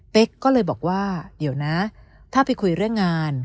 ก็เลยบอกว่าเดี๋ยวนะถ้าไปคุยเรื่องงาน